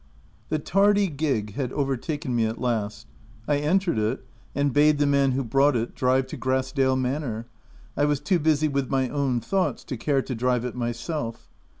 The tardy gig had overtaken me at last. I entered it, and bade the man who brought it drive to Grass dale Manor — I was too busy with my own thoughts to care to drive it myself.